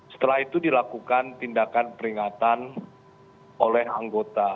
setelah itu dilakukan tindakan peringatan oleh anggota